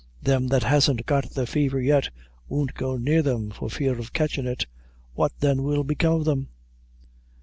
Them that hasn't got the fever yet, won't go near them for fear of catchin' it. What, then, will become of them?